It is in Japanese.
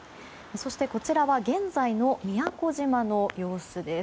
そして、こちらは現在の宮古島の様子です。